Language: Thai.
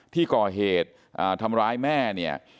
ที่ก่อเหตุทำร้ายแม่เนี่ย